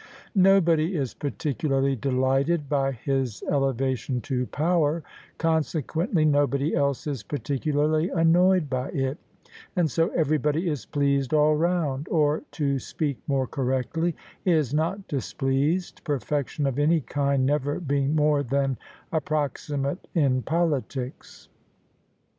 Nobody is particu larly delighted by his elevation to power — consequently no body else is particularly annoyed by it — ^and so everybody is pleased all round : or, to speak more correctly, is not dis pleased, perfection of any kind never being more than approximate in politics.